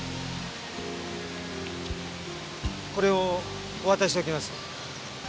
これをお渡ししておきます。